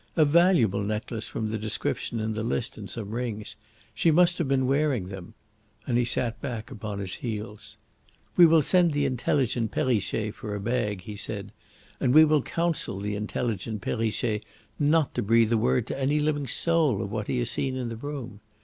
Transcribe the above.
"A valuable necklace, from the description in the list and some rings. She must have been wearing them;" and he sat back upon his heels. "We will send the intelligent Perrichet for a bag," he said, "and we will counsel the intelligent Perrichet not to breathe a word to any living soul of what he has seen in this room.